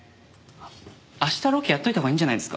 明日ロケやっといたほうがいいんじゃないですか？